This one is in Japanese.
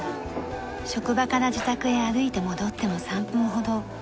職場から自宅へ歩いて戻っても３分ほど。